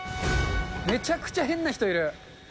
めちゃくちゃ変な人いる。